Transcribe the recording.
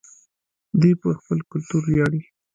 دوی په خپل کلتور ویاړي.